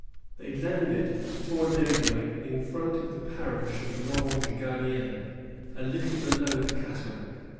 They landed before daybreak in front of the parish of L'Ange Gardien, a little below the cataract.